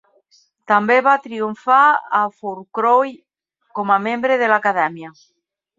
També va triomfar a Fourcroy com a membre de l'Acadèmia.